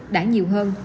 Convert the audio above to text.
đã nhiều hơn